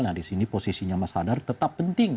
nah di sini posisinya mas hadar tetap penting